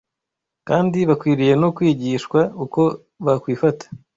kandi bakwiriye no kwigishwa uko bakwifata